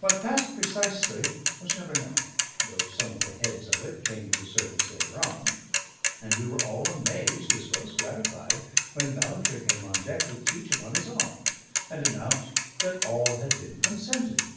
What passed precisely was never known, though some of the heads of it came to the surface later on; and we were all amazed, as well as gratified, when Ballantrae came on deck with Teach upon his arm, and announced that all had been consented.